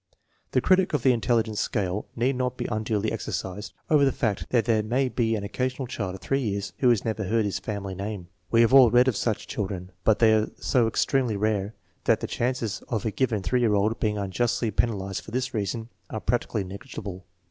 The critic of the intelligence scale need not be unduly exercised over the fact that there may be an occasional child of 3 years who has never heard his family name. We have all read of such children, but they are so extremely rare that the chances of a given 3 year old being unjustly penal ized for this reason are practically negligible.